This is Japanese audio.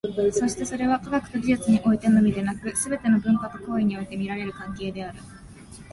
そしてそれは、科学と技術においてのみでなく、すべての文化と行為において見られる関係である。